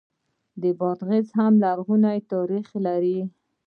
بادغیس هم لرغونی تاریخ لري